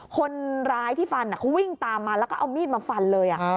คนร้ายที่ฟันเขาวิ่งตามมาแล้วก็เอามีดมาฟันเลย